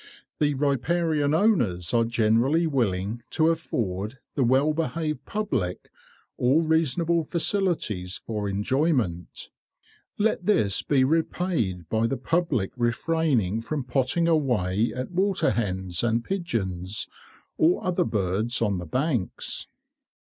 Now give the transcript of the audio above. The riparian owners are generally willing to afford the well behaved public all reasonable facilities for enjoyment. Let this be repaid by the public refraining from potting away at waterhens and pigeons, or other birds on the banks.